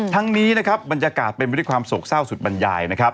ทั้งนี้มันจะกลับเป็นวิธีความโศกเศร้าสุดบรรยาย